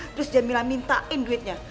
terus jamila mintain duitnya